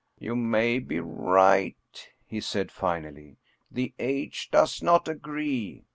" You may be right," he said finally. " The age does not agree.